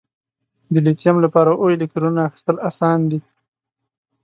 د لیتیم لپاره اووه الکترونو اخیستل آسان دي؟